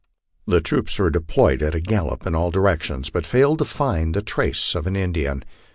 The troops were deployed at a gallop in all directions, but failed to find the trace of an Indian.